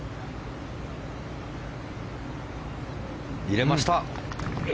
入れました。